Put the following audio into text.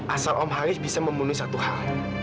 asal om haris bisa membunuh satu hal